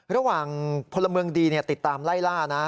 ระหว่างพลเมืองดีติดตามไล่ล่านะ